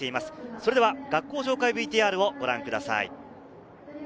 それでは学校紹介ＶＴＲをご覧ください。